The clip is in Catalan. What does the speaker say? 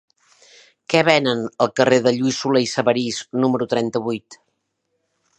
Què venen al carrer de Lluís Solé i Sabarís número trenta-vuit?